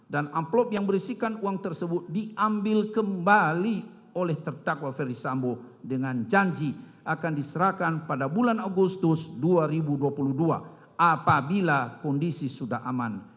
dan amplok yang berisikan uang tersebut diambil kembali oleh tertakwa farisambo dengan janji akan diserahkan pada bulan agustus dua ribu dua puluh dua apabila kondisi sudah aman